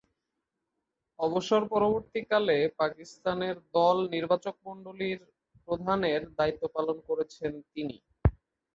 অবসর পরবর্তীকালে পাকিস্তানের দল নির্বাচকমণ্ডলীর প্রধানের দায়িত্ব পালন করছেন তিনি।